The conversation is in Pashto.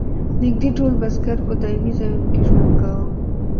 نږدې ټول بزګر په دایمي ځایونو کې ژوند کاوه.